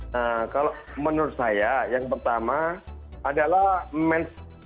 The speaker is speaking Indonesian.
nah kalau menurut saya yang pertama adalah manch